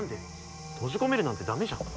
閉じ込めるなんてダメじゃん。